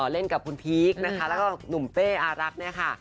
เล่นกับคุณพีคนะคะแล้วก็หนุ่มเป้อารักเนี่ยค่ะ